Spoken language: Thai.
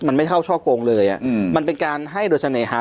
มันไม่เท่าช่อโกงเลยมันเป็นการให้โดยเสน่หา